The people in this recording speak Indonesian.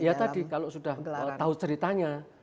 ya tadi kalau sudah tahu ceritanya